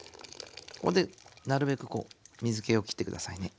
ここでなるべくこう水けを切って下さいね。